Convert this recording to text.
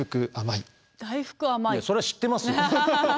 それは知ってますよ！